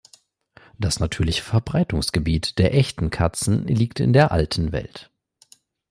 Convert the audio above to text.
Das natürliche Verbreitungsgebiet der Echten Katzen liegt in der Alten Welt.